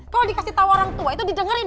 kalau dikasih tahu orang tua itu didengerin